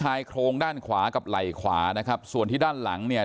ชายโครงด้านขวากับไหล่ขวานะครับส่วนที่ด้านหลังเนี่ย